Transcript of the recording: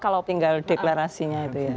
kalau tinggal deklarasinya itu ya